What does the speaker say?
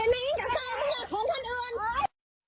โอ๊ย